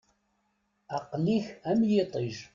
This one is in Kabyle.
Aqel-ik am yiṭij.